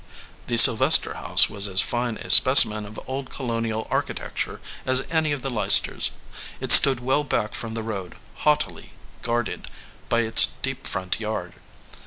The Sylvester house was as fine a specimen of old Colonial architecture as any of the Leicesters . It stood well back from the road, haughtily guarded by its deep front yard.